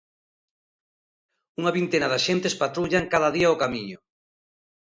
Unha vintena de axentes patrullan cada día o Camiño.